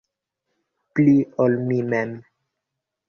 Pli, ol mi mem.